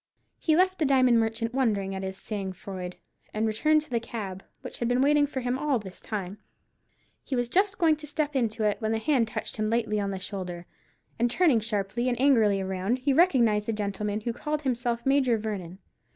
He left the diamond merchant wondering at his sang froid, and returned to the cab, which had been waiting for him all this time. He was just going to step into it, when a hand touched him lightly on the shoulder, and turning sharply and angrily round, he recognized the gentleman who called himself Major Vernon.